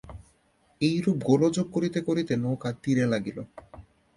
এইরূপ গোলযোগ করিতে করিতে নৌকা তীরে লাগিল।